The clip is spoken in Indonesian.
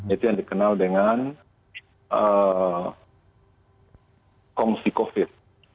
itu yang dikenal dengan kongsi covid